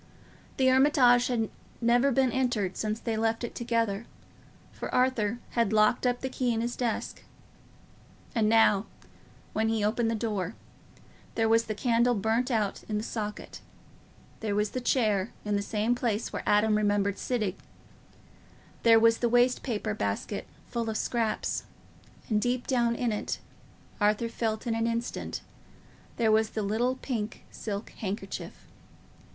The Hermitage had never been entered since they left it together, for Arthur had locked up the key in his desk. And now, when he opened the door, there was the candle burnt out in the socket; there was the chair in the same place where Adam remembered sitting; there was the waste paper basket full of scraps, and deep down in it, Arthur felt in an instant, there was the little pink silk handkerchief.